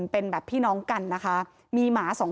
เป็นแบบพี่น้องกันนะคะมีหมาสองคน